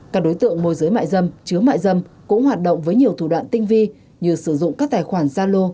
các đối tượng môi giới mại dâm chứa mại dâm cũng hoạt động với nhiều thủ đoạn tinh vi như sử dụng các tài khoản gia lô